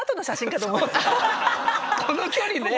この距離ね。